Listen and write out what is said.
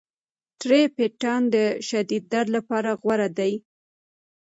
ټریپټان د شدید درد لپاره غوره دي.